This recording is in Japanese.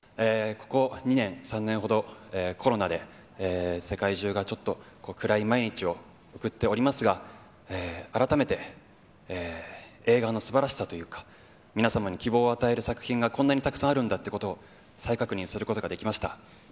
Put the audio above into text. ここ２年、３年ほど、コロナで世界中がちょっと暗い毎日を送っておりますが、改めて映画のすばらしさというか、皆様に希望を与える作品がこんなにたくさんあるんだということを、再確認することができました。